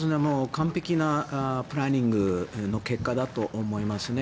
完璧なプランニングの結果だと思いますね。